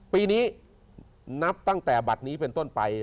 ปีนี้นับตั้งแต่บัตรนี้เป็นต้นไป